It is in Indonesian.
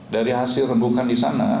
dari hasil rendukan disana